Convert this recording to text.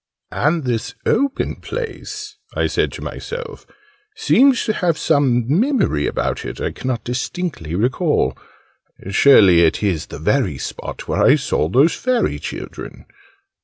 "And this open place," I said to myself, "seems to have some memory about it I cannot distinctly recall surely it is the very spot where I saw those Fairy Children!